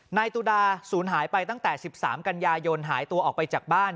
นายตุดาศูนย์หายไปตั้งแต่๑๓กันยายนหายตัวออกไปจากบ้าน